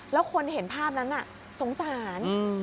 แล้วคนเห็นภาพนั้นสงสาร